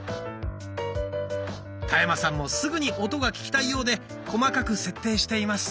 田山さんもすぐに音が聞きたいようで細かく設定しています。